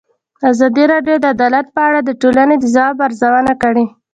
ازادي راډیو د عدالت په اړه د ټولنې د ځواب ارزونه کړې.